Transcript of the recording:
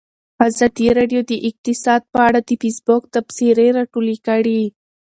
ازادي راډیو د اقتصاد په اړه د فیسبوک تبصرې راټولې کړي.